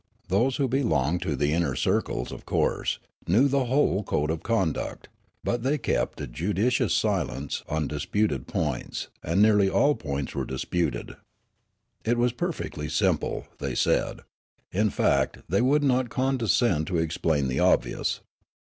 Those who belonged to the inner circles, of course, knew the whole code of conduct; but they kept a judi cious silence on disputed points, and nearly all points were disputed. It was perfectly simple, they said ; in fact, they would not condescend to explain the obvious.